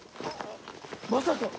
まさか。